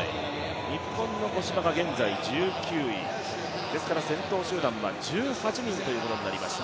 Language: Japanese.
日本の五島が現在１９位ですから先頭集団は１８人ということになりました。